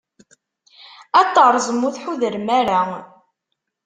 Ad t-terẓem ma ur tḥudrem ara.